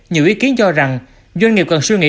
nhiều ý kiến cho rằng doanh nghiệp cần suy nghĩ